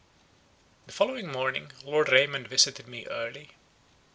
The following morning Lord Raymond visited me early.